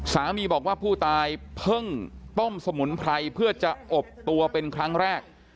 สามีบอกว่าผู้ตายเพิ่งต้มสมุนไพรเพื่อจะอบตัวเป็นครั้งแรก